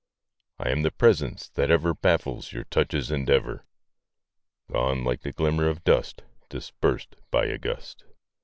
I am the presence that ever Baffles your touch's endeavor, Gone like the glimmer of dust Dispersed by a gust.